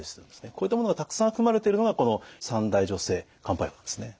こういったものがたくさん含まれているのがこの三大女性漢方薬なんですね。